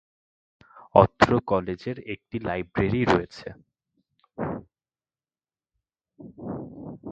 অত্র কলেজের একটি লাইব্রেরী রয়েছে।